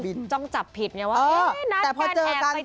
หลายคนก็จ้องจับผิดว่านัดกันแอบไปเจอ